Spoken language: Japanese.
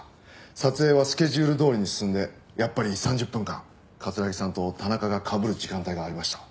撮影はスケジュールどおりに進んでやっぱり３０分間城さんと田中がかぶる時間帯がありました。